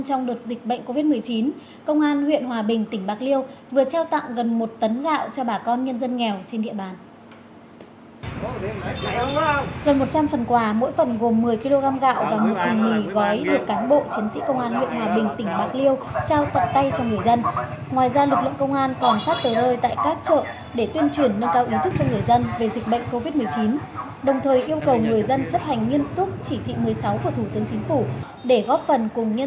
trong cuộc chiến chống dịch bệnh dựa trên biên bản ghi nhớ